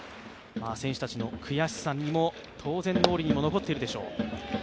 選手たちの悔しさも当然脳裏に残ってるでしょう。